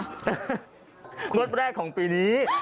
งวดแรกของปีนี้